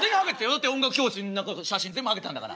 だって音楽教室の中の写真全部ハゲてたんだから。